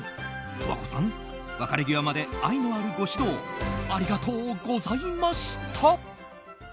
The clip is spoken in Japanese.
十和子さん、別れ際まで愛のあるご指導ありがとうございました。